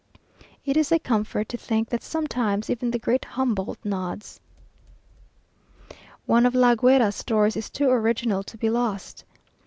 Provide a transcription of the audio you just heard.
It is a comfort to think that "sometimes even the great Humboldt nods." One of La Guera's stories is too original to be lost.